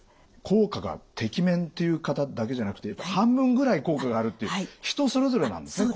効果がてきめんという方だけじゃなくて半分ぐらい効果があるっていう人それぞれなんですね